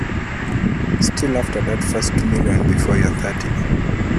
Still after that first million before you're thirty.